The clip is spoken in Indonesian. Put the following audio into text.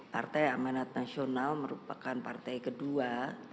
partai amanat nasional merupakan partai kedua